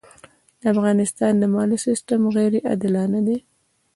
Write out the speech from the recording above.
د افغانستان د مالیې سېستم غیرې عادلانه دی.